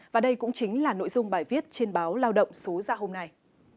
và đây cũng chính là nội dung bài viết trên báo lao động số ra hôm nay